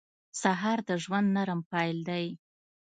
سهار د ژوند نرم پیل دی.